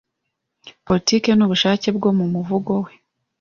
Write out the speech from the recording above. politiki n'ubushake bwo mu muvugo we.